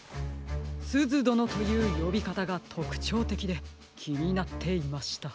「すずどの」というよびかたがとくちょうてきできになっていました。